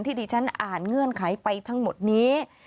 ที่ดิฉันอ่านเงื่อนไขไปทั้งหมดนี้